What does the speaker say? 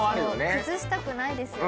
崩したくないですよね。